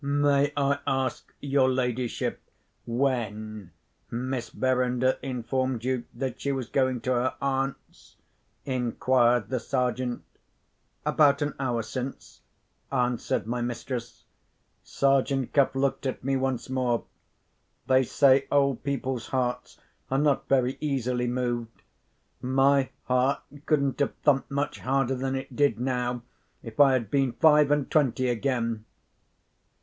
"May I ask your ladyship when Miss Verinder informed you that she was going to her aunt's?" inquired the Sergeant. "About an hour since," answered my mistress. Sergeant Cuff looked at me once more. They say old people's hearts are not very easily moved. My heart couldn't have thumped much harder than it did now, if I had been five and twenty again!